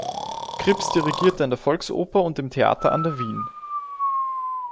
Krips dirigierte an der Volksoper und im Theater an der Wien.